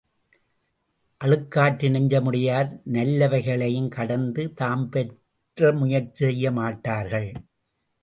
அழுக்காற்று நெஞ்சமுடையார் நல்லவைகளையும் கூடத் தாம் பெற முயற்சி செய்ய மாட்டார்கள்.